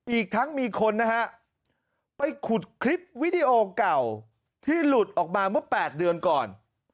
อีกทั้งมีคนนะฮะไปขุดคลิปวิดีโอเก่าที่หลุดออกมาเมื่อ๘เดือนก่อน